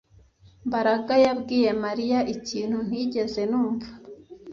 Mbaraga yabwiye Mariya ikintu ntigeze numva